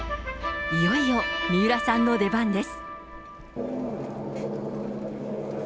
いよいよ、三浦さんの出番です。